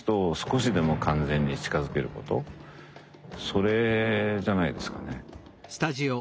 それじゃないですかね。